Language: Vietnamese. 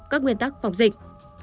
các nguyên tắc phòng dịch